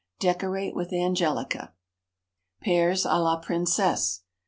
Decorate with angelica. _Pears à la Princesse.